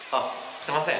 すみません。